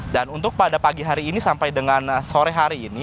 dan untuk pada pagi hari ini sampai dengan sore hari ini